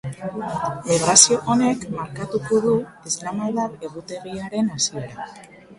Migrazio honek markatuko du islamdar egutegiaren hasiera.